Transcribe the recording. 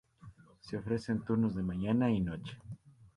Se ofrece en turnos de mañana y noche.